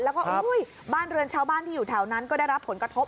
แล้วก็บ้านเรือนชาวบ้านที่อยู่แถวนั้นก็ได้รับผลกระทบ